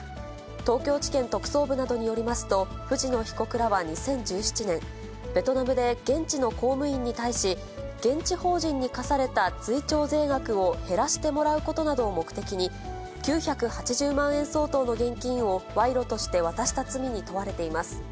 東京地検特捜部などによりますと、藤野被告らは２０１７年、ベトナムで現地の公務員に対し、現地法人に課された追徴税額を減らしてもらうことなどを目的に、９８０万円相当の現金を賄賂として渡した罪に問われています。